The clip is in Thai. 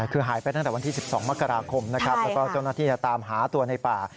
คือหายไปตั้งแต่วันที่๑๒มกราคมแล้วก็ตามหาตัวในป่า